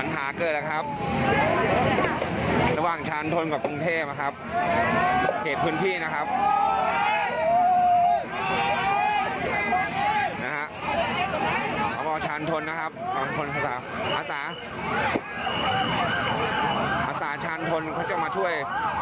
ข้าบอกว่าชาญทนนะครับภาษาภาษาชาญทนเขาจะมาช่วย